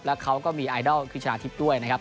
แล้วเขาก็มีไอดอลคือชนะทิพย์ด้วยนะครับ